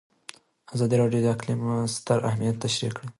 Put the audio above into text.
ازادي راډیو د اقلیم ستر اهميت تشریح کړی.